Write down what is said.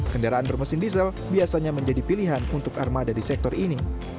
kendaraan bermesin diesel biasanya menjadi pilihan untuk armada di sektor ini